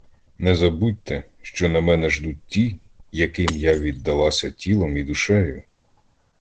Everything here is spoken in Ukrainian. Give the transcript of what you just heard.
Не забудьте, що на мене ждуть ті, яким я віддалася тілом і душею.